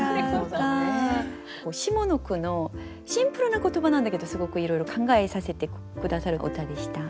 下の句のシンプルな言葉なんだけどすごくいろいろ考えさせて下さる歌でした。